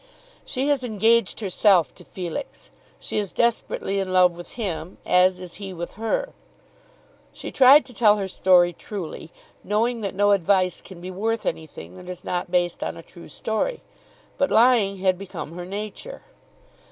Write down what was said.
"She has engaged herself to Felix. She is desperately in love with him, as is he with her." She tried to tell her story truly, knowing that no advice can be worth anything that is not based on a true story; but lying had become her nature.